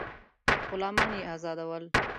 غلامان یې آزادول.